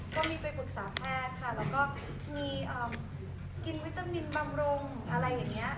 ก็มีไปปรึกษาแพทย์ค่ะแล้วก็มีกินวิตามินบำรุงอะไรอย่างนี้